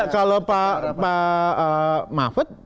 kalau pak mahfud